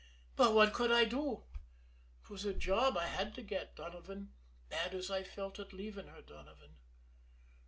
But what could I do? 'Twas a job I had to get, Donovan, bad as I felt at leaving her, Donovan."